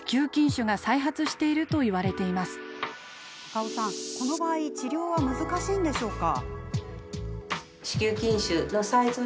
高尾さん、この場合治療は難しいのでしょうか？